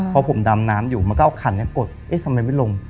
พอผมดำน้ำอยู่มันก็เอาขันกดเอ๊ะทำไมไม่ลง